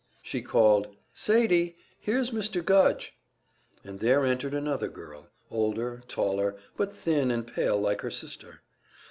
She called: "Sadie, here's Mr. Gudge." And there entered another girl, older, taller, but thin and pale like her sister.